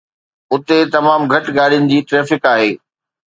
اتي تمام گهٽ گاڏين جي ٽريفڪ آهي